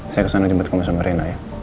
saya kesana jemput kamu sama reina ya